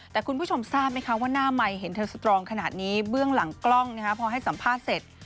แต่คุณผู้ชมทราบไหมคะว่าหน้าไมค์เห็นเธอสตรองขนาดนี้เบื้องหลังกล้องพอให้สัมภาษณ์เสร็จ